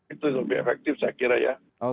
itu lebih efektif saya kira ya